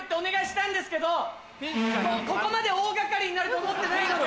ここまで大掛かりになると思ってないので。